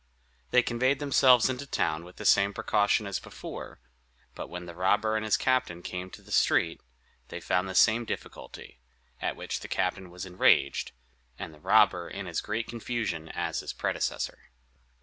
They conveyed themselves into the town with the same precaution as before; but when the robber and his captain came to the street they found the same difficulty; at which the captain was enraged, and the robber in as great confusion as his predecessor.